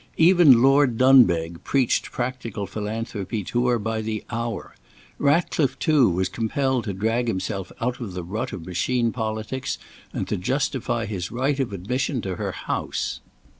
Even Lord Dunbeg preached practical philanthropy to her by the hour. Ratcliffe, too, was compelled to drag himself out of the rut of machine politics, and to justify his right of admission to her house.